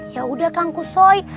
ya udah kang kushoi